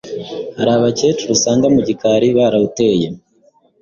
hari abakecuru usanga mu gikari barawuteye